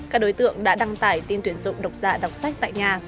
các đối tượng đã đăng tải tin tuyển dụng độc giả đọc sách tại nhà